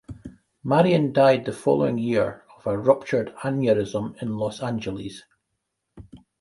Marion died the following year of a ruptured aneurysm in Los Angeles.